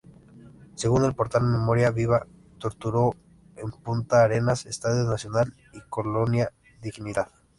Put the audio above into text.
Según el portal "Memoria Viva", "torturó en Punta Arenas, Estadio Nacional y Colonia Dignidad.